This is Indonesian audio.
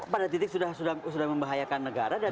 pada titik sudah membahayakan negara